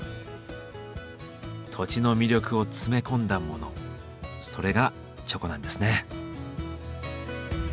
土地の魅力を詰め込んだものそれがチョコなんですね。